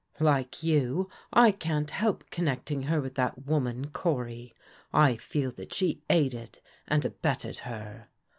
" "Like you, I can't help connecting her with that woman Cory. I feel that she aided and abetted her."